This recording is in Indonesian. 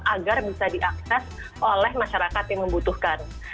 agar bisa diakses oleh masyarakat yang membutuhkan